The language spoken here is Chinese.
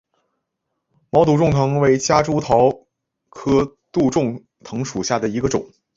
毛杜仲藤为夹竹桃科杜仲藤属下的一个种。